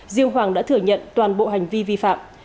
riêng hoàng đã thừa nhận toàn bộ hành vi vi phạm